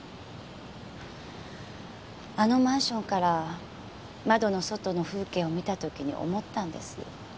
あのマンションから窓の外の風景を見た時に思ったんです。